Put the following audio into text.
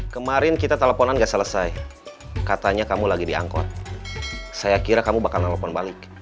kemarin kita teleponan gak selesai katanya kamu lagi di angkot saya kira kamu bakal telepon balik